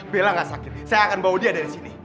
bela gak sakit saya akan bawa dia dari sini